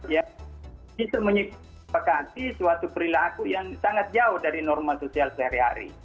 yang bisa menyimpakati suatu perilaku yang sangat jauh dari normal sosial sehari hari